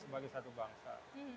bagi satu bangsa